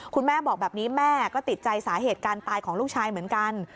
คุณแม่บอกแบบนี้แม่ก็ติดใจสาเหตุการตายของลูกชายเหมือนกัน